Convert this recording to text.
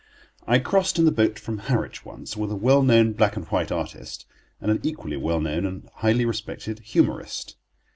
I crossed in the boat from Harwich once, with a well known black and white artist, and an equally well known and highly respected humorist.